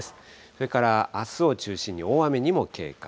それからあすを中心に大雨にも警戒。